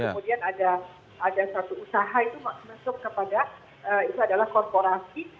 kemudian ada satu usaha itu masuk kepada itu adalah korporasi